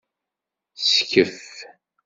Skef.